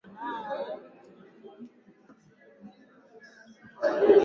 Uaminifu ni wa muhimu sana kwa Mturuki Kidokezo